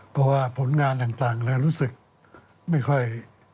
เพราะว่าผลงานต่างรู้สึกไม่ค่อย